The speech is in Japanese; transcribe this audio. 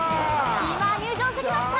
今入場してきました！